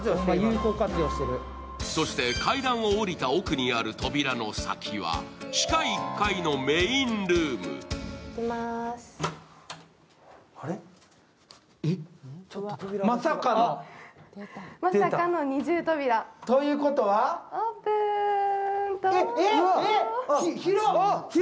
階段を下りた奥にある扉の先は地下１階のメインルーム。ということはえっ！